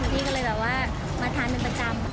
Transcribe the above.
พี่ก็เลยแบบว่ามาทานเป็นประจำ